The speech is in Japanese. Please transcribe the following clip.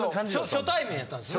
初対面やったんですね？